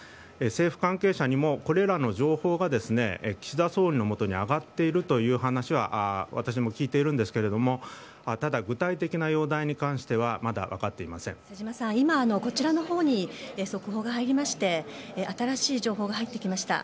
政府関係者にもこれらの情報が岸田総理のもとに上がっているという話は私も聞いているんですがただ、具体的な容体に関しては瀬島さん、今こちらのほうに速報が入りまして新しい情報が入ってきました。